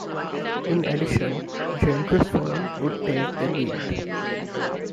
In addition, Gentry's firm would take the lead.